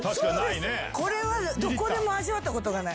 これはどこでも味わったことがない。